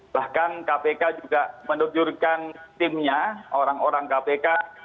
bahkan kpk juga menunjukkan timnya orang orang kpk